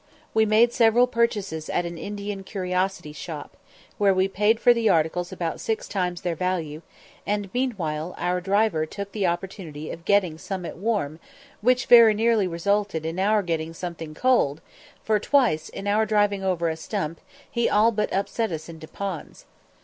We made several purchases at an Indian curiosity shop, where we paid for the articles about six times their value, and meanwhile our driver took the opportunity of getting "summat warm," which very nearly resulted in our getting something cold, for twice, in driving over a stump, he all but upset us into ponds.